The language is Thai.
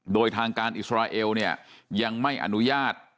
โดยทางการอิสราเอลเนี่ยยังไม่อนุญาต